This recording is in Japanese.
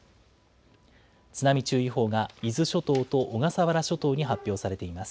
津波注意報が伊豆諸島と小笠原諸島に発表されています。